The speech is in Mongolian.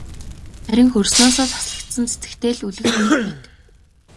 Харин хөрснөөсөө таслагдсан цэцэгтэй л үлгэр нэг мэт.